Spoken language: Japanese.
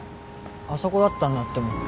あそこだったんだって思った。